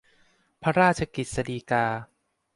พระราชกฤษฎีกา